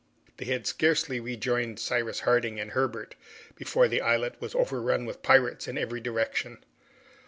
They had scarcely rejoined Cyrus Harding and Herbert, before the islet was overrun with pirates in every direction.